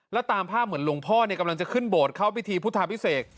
แล้วตามภาพเหมือนหลวงพ่อกำลังจะขึ้นโบสถ์เข้าพิธีพุทธาพิเศษ